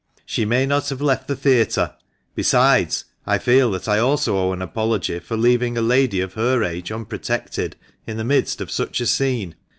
She may not have left the theatre. Besides, I feel that I also owe an apology for leaving a lady of her age unprotected in the midst of such a scene.